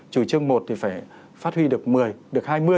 chủ trương một thì phải phát huy được một mươi được hai mươi